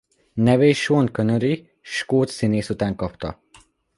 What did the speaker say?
Nevét Sean Connery skót színész után kapta.